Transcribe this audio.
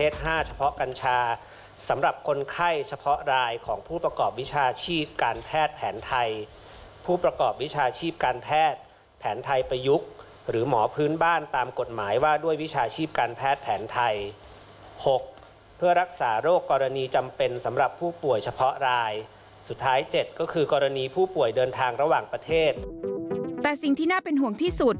แต่สิ่งที่น่าเป็นห่วงที่สุด